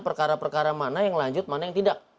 perkara perkara mana yang lanjut mana yang tidak